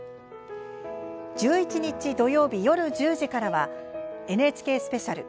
１１日土曜日、夜１０時からはＮＨＫスペシャル